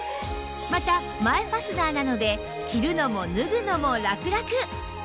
また前ファスナーなので着るのも脱ぐのもラクラク